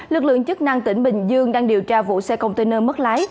lực lượng chức năng tỉnh bình dương đang điều tra vụ xe container mất lái